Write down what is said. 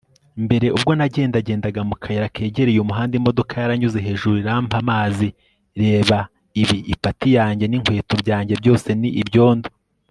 Mbere ubwo nagendagendaga mu kayira kegereye umuhanda imodoka yaranyuze hejuru irampa amazi Reba ibi Ipati yanjye ninkweto byanjye byose ni ibyondo